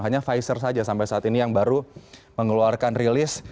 hanya pfizer saja sampai saat ini yang baru mengeluarkan rilis